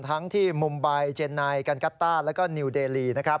ทั้งที่มุมไบล์เจนไนการ์กัตต้าแล้วก็นิวเดลี